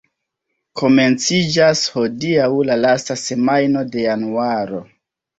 Komenciĝas hodiaŭ la lasta semajno de januaro.